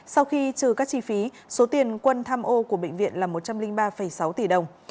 sau khi trừ các chi phí số tiền quân tham ô của bệnh viện là một trăm linh ba sáu tỷ đồng